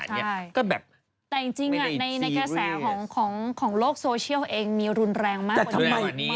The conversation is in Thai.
แต่จริงในกระแสของโลกโซเชียลเองมีรุนแรงมากกว่านี้